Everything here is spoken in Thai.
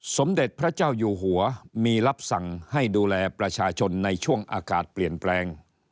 สมเด็จพระเจ้าอยู่หัวมีรับสั่งให้ดูแลประชาชนในช่วงอากาศเปลี่ยนแปลง